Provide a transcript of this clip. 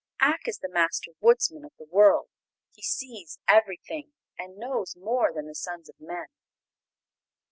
Ak is the Master Woodsman of the world; he sees everything, and knows more than the sons of men.